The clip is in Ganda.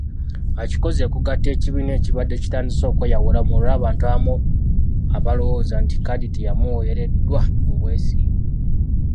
Akikoze okugatta ekibiina ekibadde kitandise okweyawulamu olw'abantu abamu balowooza nti kkaadi teyamuweereddwa mu bwesimbu.